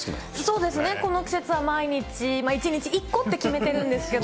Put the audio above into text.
そうですね、この季節は毎日、１日１個って決めているんですけれども。